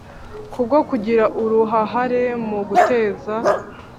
Ku bwo kugira uruhahare mu guteza